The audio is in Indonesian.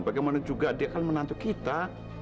bagaimana juga dia akan menantu kita